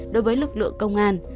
đối với lực lượng công an